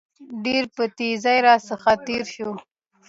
ډېر په تېزى راڅخه تېر شو.